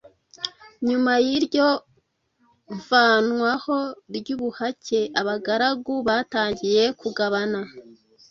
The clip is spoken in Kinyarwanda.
Nyuma y'iryo vanwaho ry'ubuhake, abagaragu batangiye kugabana